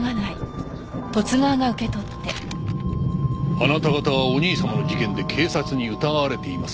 「あなた方はお兄様の事件で警察に疑われています」